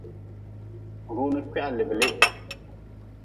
Runi kwihaliblih.